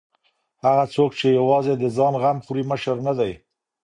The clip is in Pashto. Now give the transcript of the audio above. هغه څوک چې یوازې د ځان غم خوري مشر نه دی.